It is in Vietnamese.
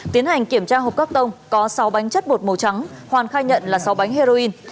tiến hành kiểm tra hộp các tông có sáu bánh chất bột màu trắng hoàn khai nhận là sáu bánh heroin